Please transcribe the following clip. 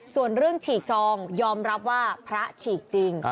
ส่วนเรื่องฉีกซองยอมรับว่าพระฉีกจริง